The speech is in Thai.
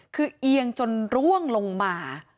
คือเอียงจนร่วงลงมา